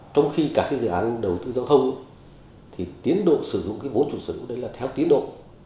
trong khi cả cái dự án đầu tư giao thông thì tiến độ sử dụng cái vốn chủ sở hữu đấy là theo tiến độ